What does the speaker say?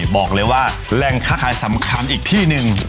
บอกเลยว่าแหล่งค้าขายสำคัญอีกที่หนึ่ง